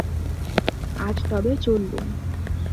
আজ তবে চললুম।